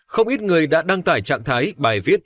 không ít người đã đăng tải trạng thái bài viết